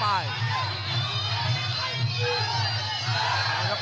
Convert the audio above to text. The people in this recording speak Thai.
ปัดเจอแข้ง